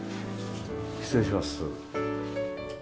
失礼します。